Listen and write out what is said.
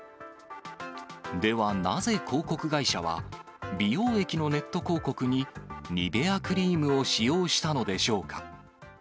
では、なぜ、広告会社は、美容液のネット広告にニベアクリームを使用したのでしょうか。